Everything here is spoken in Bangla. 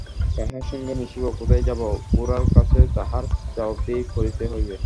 কাহার সঙ্গে মিশিব, কোথায় যাইব, গোরার কাছে তাহার জবাবদিহি করিতে হইবে!